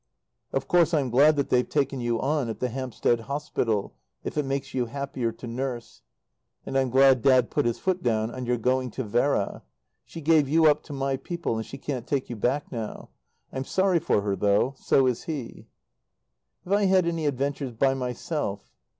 Of course I'm glad that they've taken you on at the Hampstead Hospital, if it makes you happier to nurse. And I'm glad Dad put his foot down on your going to Vera. She gave you up to my people and she can't take you back now. I'm sorry for her though; so is he. Have I had any adventures "by myself"?